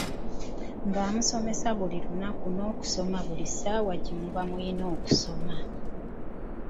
Nga musomesa buli lunaku n'okusomesa buli ssaawa gye muba mulina okusomesa.